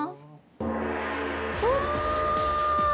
うわ！